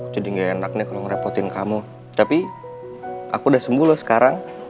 jadi ga enak nih kalo ngerepotin kamu tapi aku udah sembuh loh sekarang